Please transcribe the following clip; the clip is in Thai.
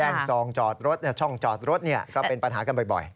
ซองจอดรถช่องจอดรถก็เป็นปัญหากันบ่อย